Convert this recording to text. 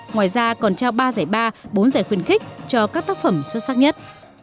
ngoài ra còn trao ba giải ba bốn giải khuyên khích cho các tác phẩm xuất sắc nhất